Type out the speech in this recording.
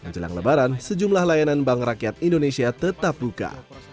jelang lebaran sejumlah layanan bank rakyat indonesia tetap buka